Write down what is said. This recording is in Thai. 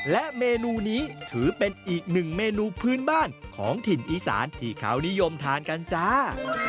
และเมนูนี้ถือเป็นอีกหนึ่งเมนูพื้นบ้านของถิ่นอีสานที่เขานิยมทานกันจ้า